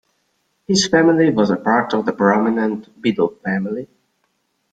His family was a part of the prominent Biddle family.